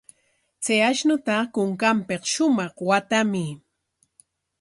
Chay ashnuta kunkanpik shumaq waatamuy.